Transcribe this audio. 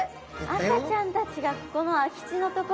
赤ちゃんたちがここの空き地の所に。